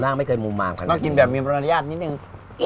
ต้องกินแบบมีประโยชน์นิดนึง